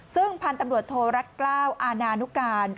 ซึ่งพันธุ์ตำรวจโทรรัฐกล้าวอาณานุการ